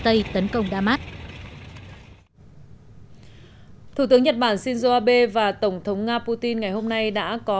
tây tấn công đa mát thủ tướng nhật bản shinzo abe và tổng thống nga putin ngày hôm nay đã có